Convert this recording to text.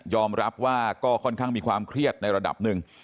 รับว่าก็ค่อนข้างมีความเครียดในระดับหนึ่ง